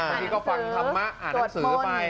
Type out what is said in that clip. อันนี้ก็ฟังธรรมะอ่านหนังสือไป